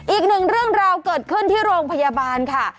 อีกหนึ่งเรื่องราวเกิดขึ้นที่โรงพยาบาลค่ะ